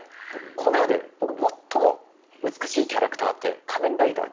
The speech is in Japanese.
この世で僕最も美しいキャラクターって仮面ライダー